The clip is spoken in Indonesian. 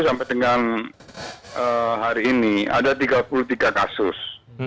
hingga hari ini ada tiga puluh tiga kasus